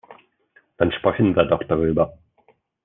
Dann sprechen wir doch darüber!